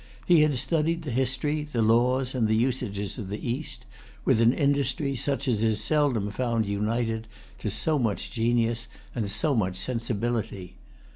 He had studied the history, the laws, and the usages of the East with an industry such as is seldom found united to so much genius and so much sensibility.